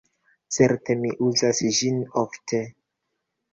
Certe, mi uzas ĝin ofte.